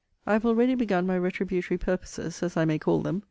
I have already begun my retributory purposes, as I may call them.